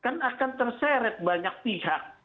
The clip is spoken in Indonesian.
kan akan terseret banyak pihak